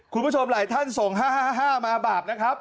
คุณผู้ชมหลายท่านส่ง๕๕มาบาปนะครับ